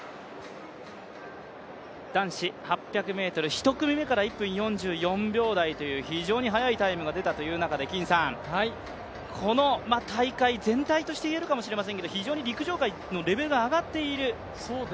男子８００ｍ、１組目から１分４４秒台という非常に速いタイムが出たという中でこの大会全体通して言えるかもしれませんけれど非常に陸上界のレベルが上がっている？